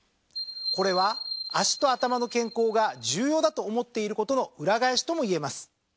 これは脚と頭の健康が重要だと思っていることの裏返しとも言えます。